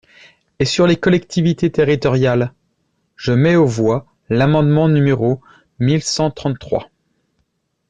Et sur les collectivités territoriales ? Je mets aux voix l’amendement numéro mille cent trente-trois.